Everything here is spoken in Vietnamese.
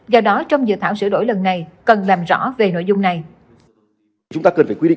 do đó trong dự thảo sửa đổi lần này cần làm rõ về nội dung này